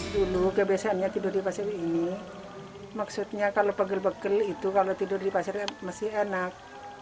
dulu kebiasaannya tidur di pasir ini maksudnya kalau pegel pegel itu kalau tidur di pasirnya masih enak